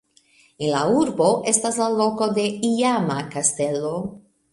En la urbo estas la loko de iama kastelo.